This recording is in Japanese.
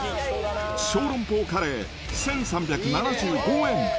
小籠包カレー１３７５円。